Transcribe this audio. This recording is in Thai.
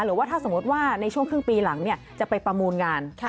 หรือว่าถ้าสมมติว่าในช่วงครึ่งปีหลังจะไปประมูลงาน